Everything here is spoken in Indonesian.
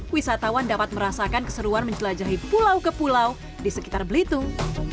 wisatawan dapat merasakan keseruan menjelajahi pulau ke pulau di sekitar belitung